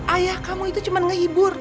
ayah kamu itu cuma ngehibur